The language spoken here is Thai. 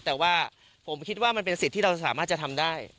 แต่ว่าผมคิดว่ามันเป็นสิทธิ์ที่เราสามารถจะทำได้